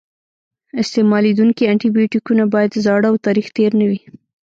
استعمالیدونکي انټي بیوټیکونه باید زاړه او تاریخ تېر نه وي.